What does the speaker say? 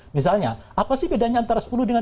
misalnya apa sih bedanya antara sepuluh dengan dua puluh